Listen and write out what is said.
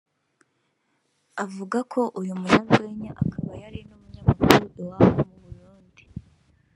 avuga ko uyu munyarwenya akaba yari n’umunyamakuru iwabo mu Burundi